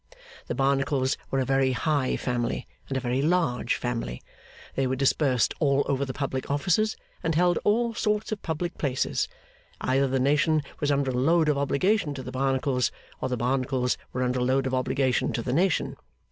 The Barnacles were a very high family, and a very large family. They were dispersed all over the public offices, and held all sorts of public places. Either the nation was under a load of obligation to the Barnacles, or the Barnacles were under a load of obligation to the nation.